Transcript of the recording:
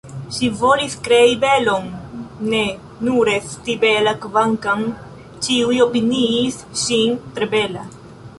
Ŝi volis krei belon, ne nur esti bela kvankam ĉiuj opiniis ŝin tre bela.